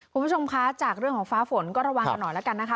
คุณผู้ชมคะจากเรื่องของฟ้าฝนก็ระวังกันหน่อยแล้วกันนะคะ